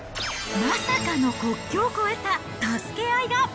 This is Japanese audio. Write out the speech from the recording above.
まさかの国境を越えた助け合いが。